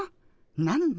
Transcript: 何だ？